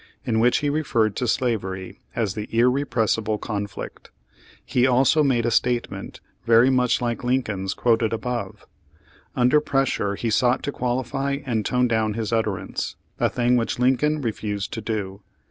in which he referred to slavery as the "irrepressible conflict." He also made a statement very much like Lincoln's quoted above. Under pressure he sought to qualify and tone down his utterance, a thing which Lincoln refused to do.